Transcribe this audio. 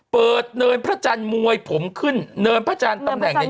เนินพระจันทร์มวยผมขึ้นเนินพระจันทร์ตำแหน่งเนี่ย